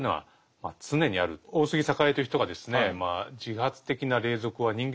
大杉栄という人がですね